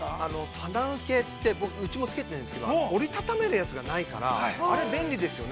◆棚受けってうちもつけているんですけど、折り畳めるやつがないから、あれ、便利ですよね。